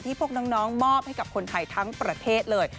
พวกน้องมอบให้กับคนไทยทั้งประเทศเลย